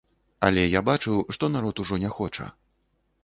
Але я бачыў, што народ ужо не хоча.